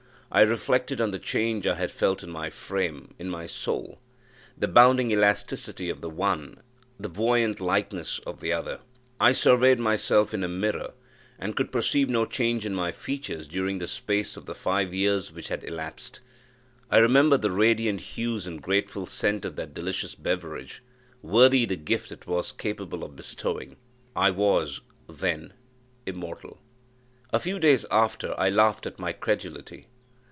I reflected on the change I had felt in my frame in my soul. The bounding elasticity of the one the buoyant lightness of the other. I surveyed myself in a mirror, and could perceive no change in my features during the space of the five years which had elapsed. I remembered the radiant hues and grateful scent of that delicious beverage worthy the gift it was capable of bestowing I was, then, IMMORTAL! A few days after I laughed at my credulity.